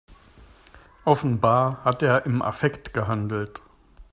Offenbar hat er im Affekt gehandelt.